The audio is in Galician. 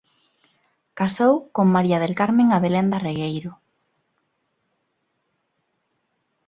Casou con María del Carmen Abelenda Regueiro.